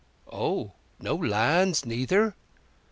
"Oh? No lands neither?"